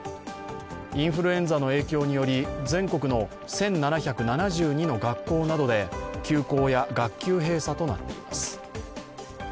インフルエンザの影響により全国の１７７２の学校などで休校や学級閉鎖となっています。